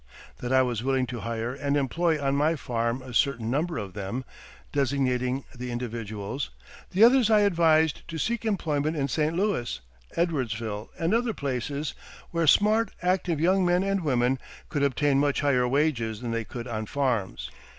That I was willing to hire and employ on my farm a certain number of them (designating the individuals); the others I advised to seek employment in St. Louis, Edwardsville, and other places, where smart, active young men and women could obtain much higher wages than they could on farms.